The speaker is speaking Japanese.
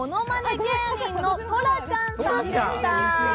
芸人のトラチャンさんでした。